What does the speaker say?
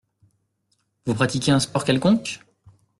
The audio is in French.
Vous pratiquez un sport quelconque ?